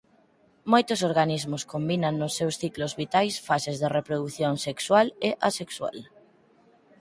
Moitos organismos combinan nos seus ciclos vitais fases de reprodución sexual e asexual.